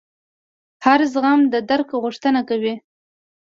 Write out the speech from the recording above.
هر زخم د درک غوښتنه کوي.